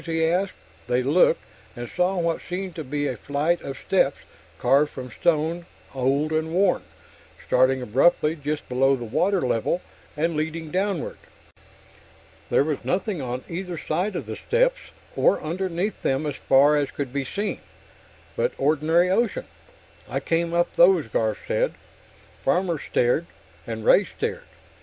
he asked. They looked, and saw what seemed to be a flight of steps, carved from stone, old, and worn, starting abruptly just below the water level and leading downward. There was nothing on either side of the steps, or underneath them as far as could be seen, but ordinary ocean. "I came up those," Garf said. Farmer stared, and Ray stared.